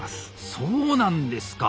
そうなんですか。